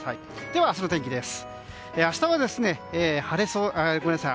では、明日の天気です。